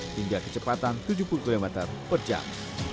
hingga kecepatan tujuh puluh km per jam